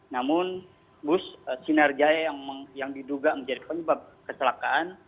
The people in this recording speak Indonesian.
namun bus sinarjaya yang diduga menjadi penyebab kecelakaan